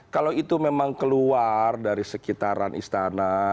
kalau itu memang keluar dari sekitaran istana